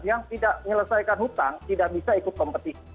yang tidak menyelesaikan hutang tidak bisa ikut kompetisi